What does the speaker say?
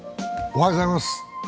おはようございます。